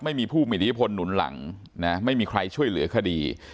ไม่มีผู้มีอิทธิพลหนุนหลังนะไม่มีใครช่วยเหลือคดี